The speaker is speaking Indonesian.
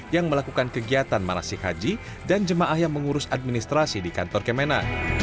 yang melakukan kegiatan manasik haji dan jemaah yang mengurus administrasi di kantor kemena